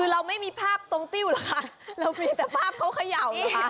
เราไม่มีภาพตรงติ้วหรือคะเรามีแต่ภาพเขาเขย่าหรือคะ